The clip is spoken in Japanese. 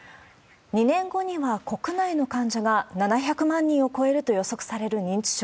２年後には国内の患者が７００万人を超えると予測される認知症。